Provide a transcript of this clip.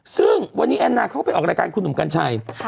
ซึ่งวันนี้แอนนาเขาก็ไปออกรายการคุณหนุ่มกัญชัย